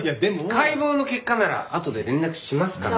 解剖の結果ならあとで連絡しますから。